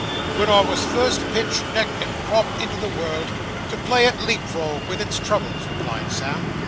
'When I wos first pitched neck and crop into the world, to play at leap frog with its troubles,' replied Sam.